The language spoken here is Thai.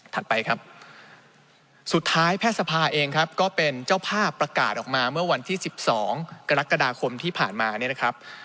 ไปครับสุดท้ายแพทย์สภาเองครับก็เป็นเจ้าภาพประกาศออกมาเมื่อวันที่๑๒กรกฎาคมที่ผ่านมาเนี่ยนะครับ